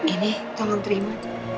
ini tolong terima